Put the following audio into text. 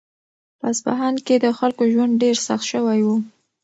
په اصفهان کې د خلکو ژوند ډېر سخت شوی و.